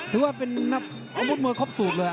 ถือว่าเป็นอาวุธมือครับสูตรเลย